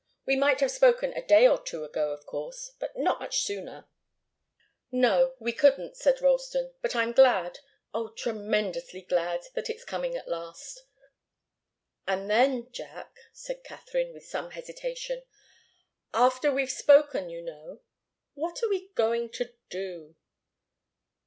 We might have spoken a day or two ago, of course, but not much sooner." "No we couldn't," said Ralston. "But I'm glad oh, tremendously glad that it's coming at last." "And then Jack," said Katharine, with some hesitation, "after we've spoken, you know what are we going to do?"